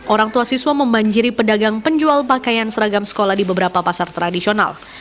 orang tua siswa membanjiri pedagang penjual pakaian seragam sekolah di beberapa pasar tradisional